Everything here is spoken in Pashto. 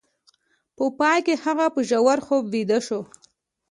په پای کې هغه په ژور خوب ویده شو